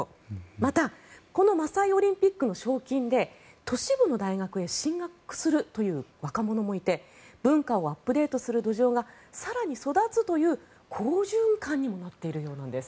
またこのマサイ・オリンピックの賞金で都市部の大学へ進学するという若者もいて文化をアップデートする土壌が更に育つという好循環になっているようなんです。